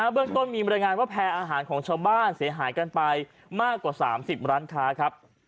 เรื่องต้นมีบรรยายงานว่าแพร่อาหารของชาวบ้านเสียหายกันไปมากกว่า๓๐ร้านค้าครับ